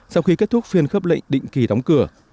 sau khi kết thúc phiên khấp lệnh định kỳ đóng cửa